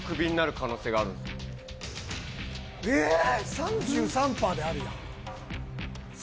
３３パーであるやん。